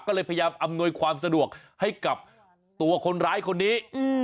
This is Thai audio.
ก็เลยพยายามอำนวยความสะดวกให้กับตัวคนร้ายคนนี้